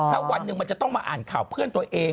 ถ้าวันหนึ่งมันจะต้องมาอ่านข่าวเพื่อนตัวเอง